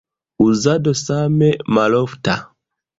Uzado same malofta.